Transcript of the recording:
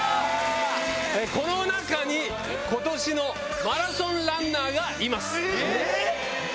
この中に、ことしのマラソンランナーがいます。